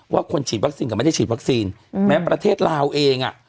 ว่าคนฉีดวัคซีนกับไม่ได้ฉีดวัคซีนแม้ประเทศลาวเองอ่ะ